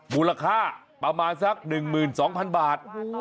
มูลค่าประมาณสัก๑๒๐๐๐บาท